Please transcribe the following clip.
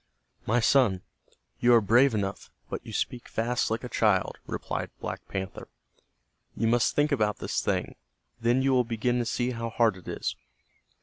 "My son, you are brave enough, but you speak fast like a child," replied Black Panther. "You must think about this thing. Then you will begin to see how hard it is.